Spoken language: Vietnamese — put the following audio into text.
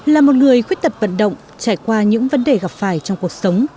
là một người khuyết tật vận động trải qua những vấn đề gặp phải trong cuộc sống